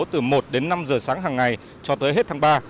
từ một đến năm giờ sáng hàng ngày cho tới hết tháng ba